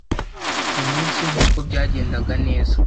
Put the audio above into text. Umunsi nkuko yagendaga neza,